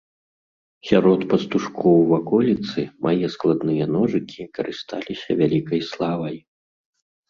Сярод пастушкоў ваколіцы мае складныя ножыкі карысталіся вялікай славай.